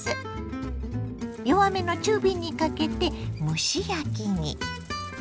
弱めの中火にかけて蒸し焼きに。